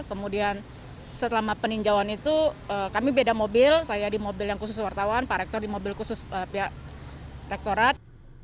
kemudian setelah peninjauan itu kami beda mobil saya di mobil yang khusus wartawan pak rektor di mobil khusus pihak rektorat